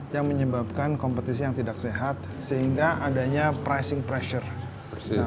yang menyebabkan kompetisi yang tidak sehat sehingga adanya pricing pressure